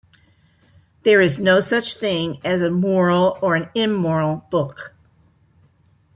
There is no such thing as a moral or an immoral book.